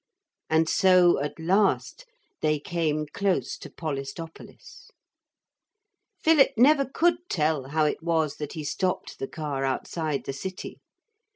And so, at last, they came close to Polistopolis. Philip never could tell how it was that he stopped the car outside the city.